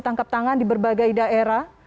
tangkap tangan di berbagai daerah